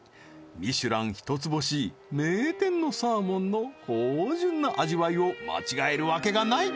ミシュラン一つ星名店のサーモンの芳じゅんな味わいを間違えるわけがない